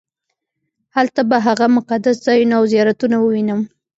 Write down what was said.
هلته به هغه مقدس ځایونه او زیارتونه ووېنم.